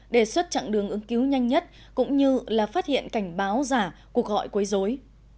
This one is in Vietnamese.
đề xuất chặng đường ứng cứu nhanh nhất cũng như là phát hiện cảnh báo giả cuộc gọi quấy dối